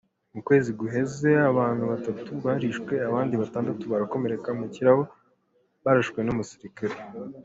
Mu kwezi guheze, abantu batatu barishwe abandi batandatu barakomereka, mu kirabo, barashwe n'umusirikare.